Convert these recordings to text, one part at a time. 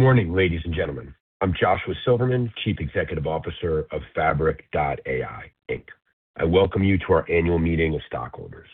Good morning, ladies and gentlemen. I'm Joshua Silverman, Chief Executive Officer of Fabric.Ai, Inc. I welcome you to our annual meeting of stockholders.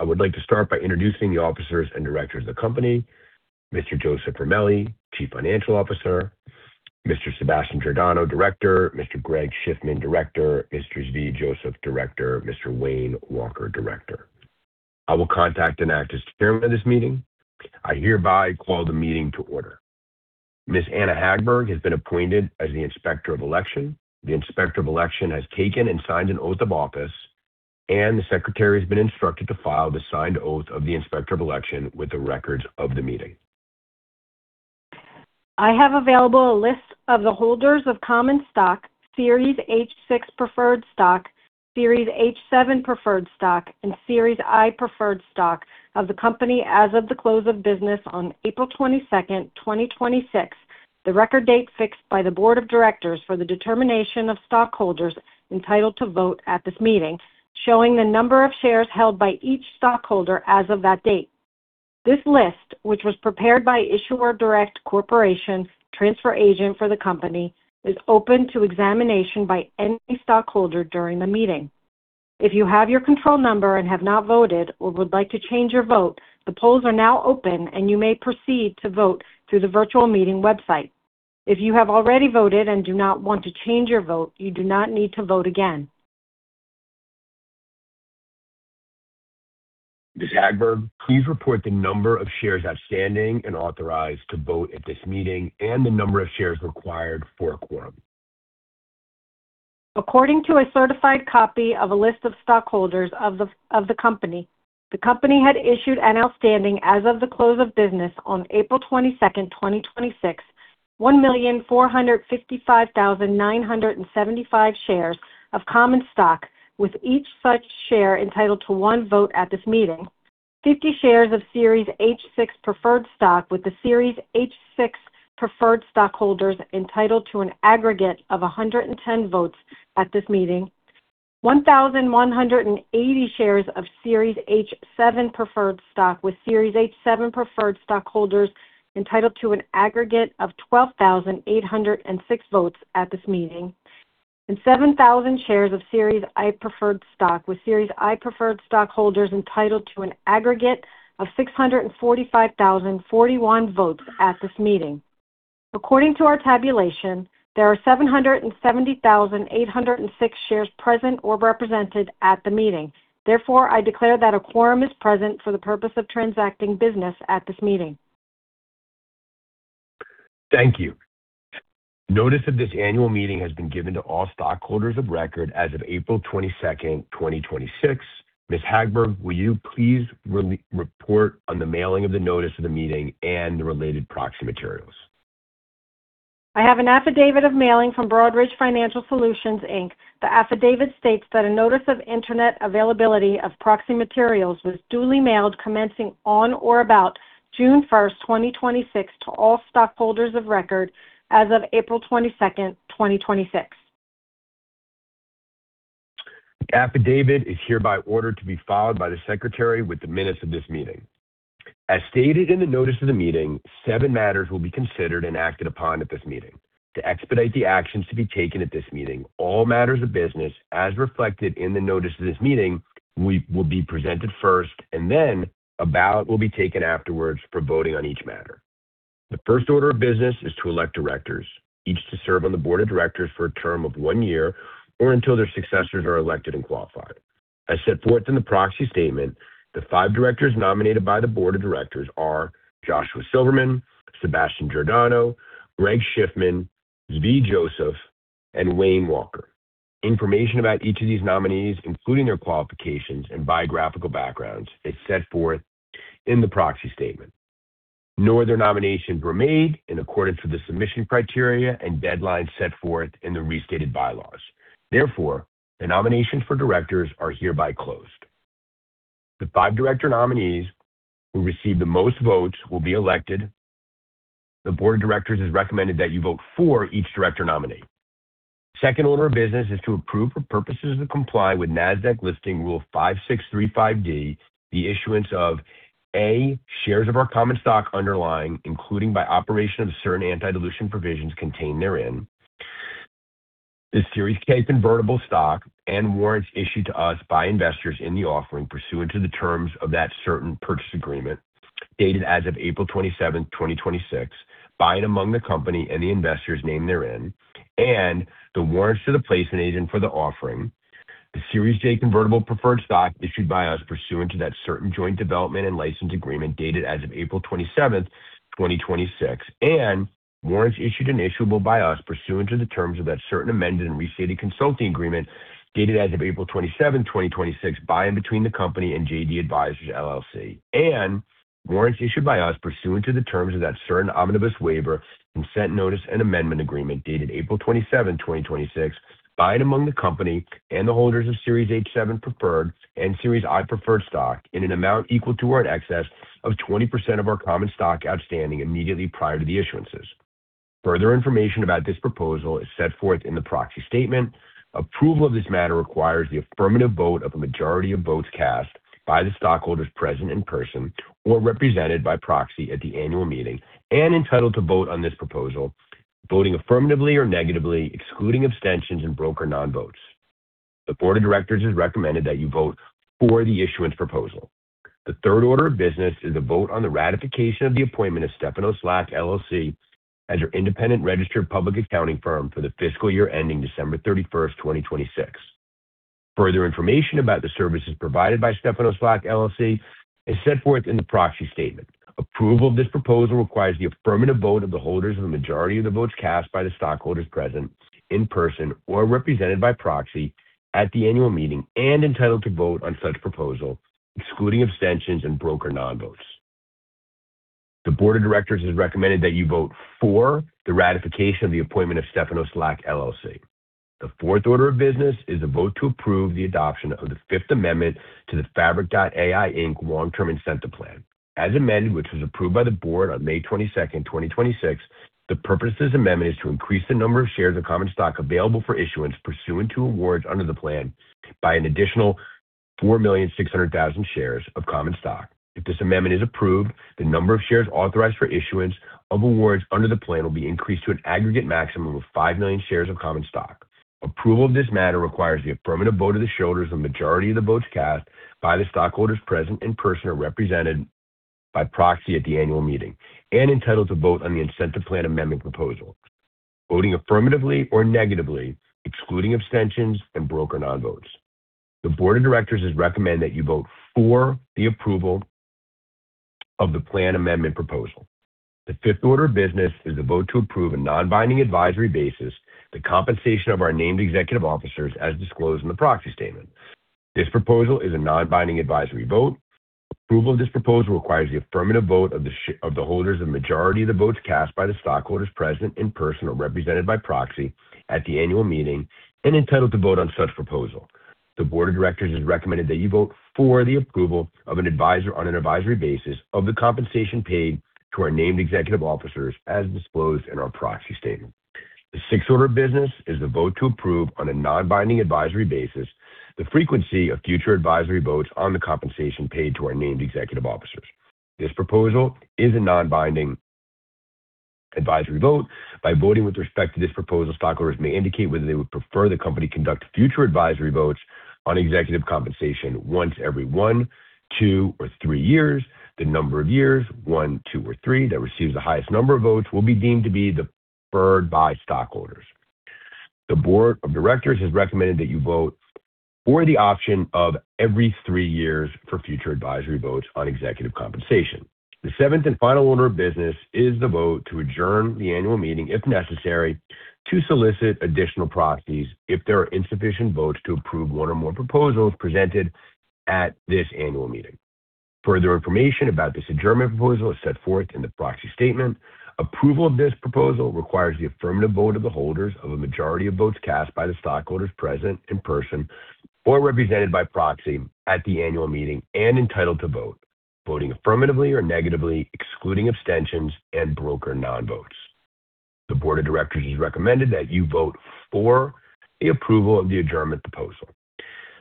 I would like to start by introducing the officers and directors of the company, Mr. Joseph Ramelli, Chief Financial Officer, Mr. Sebastian Giordano, Director, Mr. Greg Schiffman, Director, Mr. Zvi Joseph, Director, Mr. Wayne Walker, Director. I will conduct and act as chairman of this meeting. I hereby call the meeting to order. Ms. Anna Hagberg has been appointed as the Inspector of Election. The Inspector of Election has taken and signed an oath of office, and the secretary has been instructed to file the signed oath of the Inspector of Election with the records of the meeting. I have available a list of the holders of common stock, Series H-6 preferred stock, Series H-7 preferred stock, and Series I preferred stock of the company as of the close of business on April 22nd, 2026, the record date fixed by the board of directors for the determination of stockholders entitled to vote at this meeting, showing the number of shares held by each stockholder as of that date. This list, which was prepared by Issuer Direct Corporation, transfer agent for the company, is open to examination by any stockholder during the meeting. If you have your control number and have not voted or would like to change your vote, the polls are now open, and you may proceed to vote through the virtual meeting website. If you have already voted and do not want to change your vote, you do not need to vote again. Ms. Hagberg, please report the number of shares outstanding and authorized to vote at this meeting and the number of shares required for a quorum. According to a certified copy of a list of stockholders of the company, the company had issued an outstanding as of the close of business on April 22nd, 2026, 1,455,975 shares of common stock, with each such share entitled to one vote at this meeting, 50 shares of Series H-6 preferred stock with the Series H-6 preferred stockholders entitled to an aggregate of 110 votes at this meeting, 1,180 shares of Series H-7 preferred stock with Series H-7 preferred stockholders entitled to an aggregate of 12,806 votes at this meeting, and 7,000 shares of Series I preferred stock with Series I preferred stockholders entitled to an aggregate of 645,041 votes at this meeting. According to our tabulation, there are 770,806 shares present or represented at the meeting. I declare that a quorum is present for the purpose of transacting business at this meeting. Thank you. Notice of this annual meeting has been given to all stockholders of record as of April 22nd, 2026. Ms. Hagberg, will you please report on the mailing of the notice of the meeting and the related proxy materials? I have an affidavit of mailing from Broadridge Financial Solutions Inc. The affidavit states that a notice of internet availability of proxy materials was duly mailed commencing on or about June 1st, 2026 to all stockholders of record as of April 22nd, 2026. The affidavit is hereby ordered to be filed by the secretary with the minutes of this meeting. As stated in the notice of the meeting, seven matters will be considered and acted upon at this meeting. To expedite the actions to be taken at this meeting, all matters of business, as reflected in the notice of this meeting, will be presented first, and then a ballot will be taken afterwards for voting on each matter. The first order of business is to elect directors, each to serve on the board of directors for a term of one year or until their successors are elected and qualified. As set forth in the proxy statement, the five directors nominated by the board of directors are Joshua Silverman, Sebastian Giordano, Greg Schiffman, Zvi Joseph, and Wayne Walker. Information about each of these nominees, including their qualifications and biographical backgrounds, is set forth in the proxy statement, nor their nominations were made in accordance with the submission criteria and deadlines set forth in the restated bylaws. The nominations for directors are hereby closed. The five director nominees who receive the most votes will be elected. The board of directors has recommended that you vote for each director nominee. Second order of business is to approve for purposes to comply with Nasdaq Listing Rule 5635, the issuance of, A, shares of our common stock underlying, including by operation of certain anti-dilution provisions contained therein. The Series K convertible stock and warrants issued to us by investors in the offering pursuant to the terms of that certain purchase agreement, dated as of April 27, 2026, by and among the company and the investors named therein, and the warrants to the placing agent for the offering. The Series J Convertible Preferred Stock issued by us pursuant to that certain joint development and license agreement dated as of April 27, 2026, and warrants issued and issuable by us pursuant to the terms of that certain amended and restated consulting agreement dated as of April 27, 2026, by and between the company and JD Advisors, LLC, and warrants issued by us pursuant to the terms of that certain omnibus waiver, consent notice, and amendment agreement dated April 27, 2026, by and among the company and the holders of Series H-7 Preferred and Series I Preferred Stock in an amount equal to or in excess of 20% of our common stock outstanding immediately prior to the issuances. Further information about this proposal is set forth in the proxy statement. Approval of this matter requires the affirmative vote of a majority of votes cast by the stockholders present in person or represented by proxy at the annual meeting and entitled to vote on this proposal, voting affirmatively or negatively, excluding abstentions and broker non-votes. The board of directors has recommended that you vote for the issuance proposal. The third order of business is a vote on the ratification of the appointment of Stephano Slack LLC as your independent registered public accounting firm for the fiscal year ending December 31st, 2026. Further information about the services provided by Stephano Slack LLC is set forth in the proxy statement. Approval of this proposal requires the affirmative vote of the holders of the majority of the votes cast by the stockholders present in person or represented by proxy at the annual meeting and entitled to vote on such proposal, excluding abstentions and broker non-votes. The board of directors has recommended that you vote for the ratification of the appointment of Stephano Slack LLC. The fourth order of business is a vote to approve the adoption of the Fifth Amendment to the Fabric.Ai, Inc. long-term incentive plan. As amended, which was approved by the board on May 22nd, 2026, the purpose of this amendment is to increase the number of shares of common stock available for issuance pursuant to awards under the plan by an additional 4,600,000 shares of common stock. If this amendment is approved, the number of shares authorized for issuance of awards under the plan will be increased to an aggregate maximum of 5 million shares of common stock. Approval of this matter requires the affirmative vote of the shareholders of the majority of the votes cast by the stockholders present in person or represented by proxy at the annual meeting and entitled to vote on the incentive plan amendment proposal, voting affirmatively or negatively, excluding abstentions and broker non-votes. The board of directors has recommended that you vote for the approval of the plan amendment proposal. The fifth order of business is a vote to approve a non-binding advisory basis, the compensation of our named executive officers as disclosed in the proxy statement. This proposal is a non-binding advisory vote. Approval of this proposal requires the affirmative vote of the holders of the majority of the votes cast by the stockholders present in person or represented by proxy at the annual meeting and entitled to vote on such proposal. The board of directors has recommended that you vote for the approval of an advisor on an advisory basis of the compensation paid to our named executive officers as disclosed in our proxy statement. The sixth order of business is the vote to approve on a non-binding advisory basis the frequency of future advisory votes on the compensation paid to our named executive officers. This proposal is a non-binding advisory vote. By voting with respect to this proposal, stockholders may indicate whether they would prefer the company conduct future advisory votes on executive compensation once every one, two, or three years. The number of years, one, two, or three, that receives the highest number of votes will be deemed to be preferred by stockholders. The board of directors has recommended that you vote for the option of every three years for future advisory votes on executive compensation. The seventh and final order of business is the vote to adjourn the annual meeting, if necessary, to solicit additional proxies if there are insufficient votes to approve one or more proposals presented at this annual meeting. Further information about this adjournment proposal is set forth in the proxy statement. Approval of this proposal requires the affirmative vote of the holders of a majority of votes cast by the stockholders present in person or represented by proxy at the annual meeting and entitled to vote, voting affirmatively or negatively, excluding abstentions and broker non-votes. The board of directors has recommended that you vote for the approval of the adjournment proposal.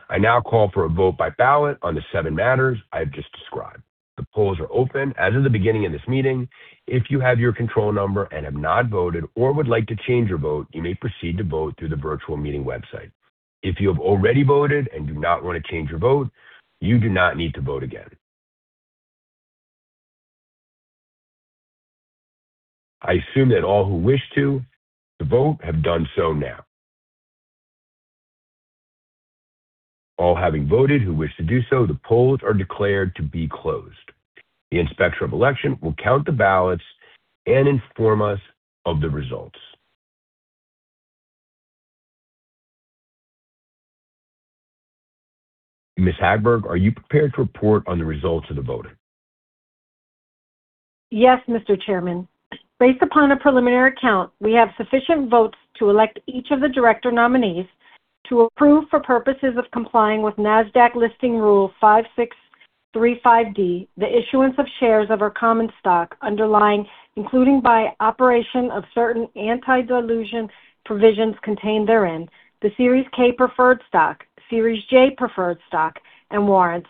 I now call for a vote by ballot on the seven matters I've just described. The polls are open as of the beginning of this meeting. If you have your control number and have not voted or would like to change your vote, you may proceed to vote through the virtual meeting website. If you have already voted and do not want to change your vote, you do not need to vote again. I assume that all who wish to vote have done so now. All having voted who wish to do so, the polls are declared to be closed. The inspector of election will count the ballots and inform us of the results. Ms. Hagberg, are you prepared to report on the results of the voting? Yes, Mr. Chairman. Based upon a preliminary count, we have sufficient votes to elect each of the director nominees to approve, for purposes of complying with Nasdaq Listing Rule 5635D, the issuance of shares of our common stock underlying, including by operation of certain anti-dilution provisions contained therein, the Series K preferred stock, Series J preferred stock, and warrants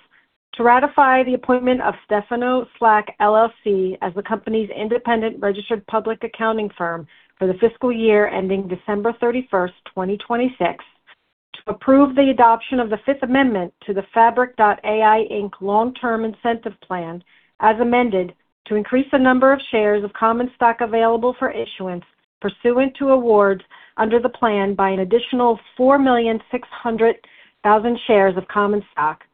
to ratify the appointment of Stephano Slack LLC as the company's independent registered public accounting firm for the fiscal year ending December 31st, 2026, to approve the adoption of the Fifth Amendment to the Fabric.Ai Inc. long-term incentive plan, as amended, to increase the number of shares of common stock available for issuance pursuant to awards under the plan by an additional 4,600,000 shares of common stock.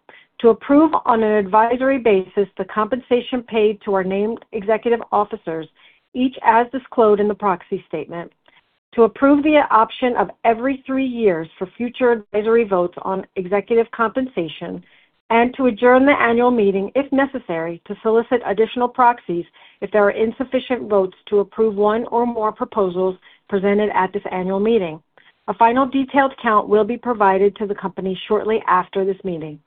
To approve on an advisory basis the compensation paid to our named executive officers, each as disclosed in the proxy statement. To approve the option of every three years for future advisory votes on executive compensation to adjourn the annual meeting, if necessary, to solicit additional proxies if there are insufficient votes to approve one or more proposals presented at this annual meeting. A final detailed count will be provided to the company shortly after this meeting.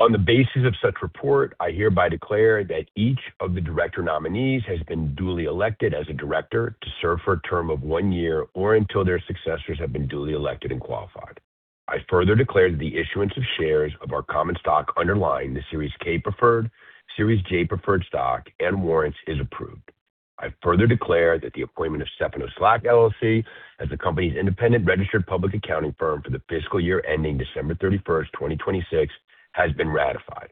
On the basis of such report, I hereby declare that each of the director nominees has been duly elected as a director to serve for a term of one year or until their successors have been duly elected and qualified. I further declare the issuance of shares of our common stock underlying the Series K preferred, Series J preferred stock, and warrants is approved. I further declare that the appointment of Stephano Slack LLC as the company's independent registered public accounting firm for the fiscal year ending December 31st, 2026, has been ratified.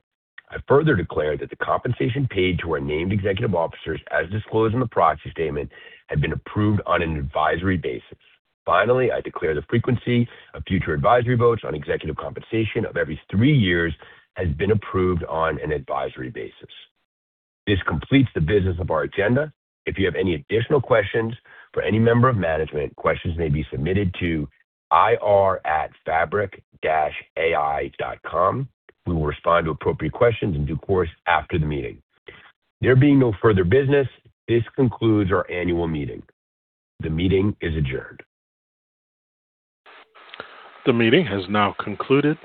I further declare that the compensation paid to our named executive officers, as disclosed in the proxy statement, have been approved on an advisory basis. Finally, I declare the frequency of future advisory votes on executive compensation of every three years has been approved on an advisory basis. This completes the business of our agenda. If you have any additional questions for any member of management, questions may be submitted to ir@fabric-ai.co. We will respond to appropriate questions in due course after the meeting. There being no further business, this concludes our annual meeting. The meeting is adjourned. The meeting has now concluded.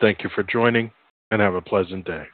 Thank you for joining, and have a pleasant day.